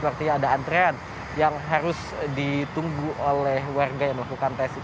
artinya ada antrean yang harus ditunggu oleh warga yang melakukan tes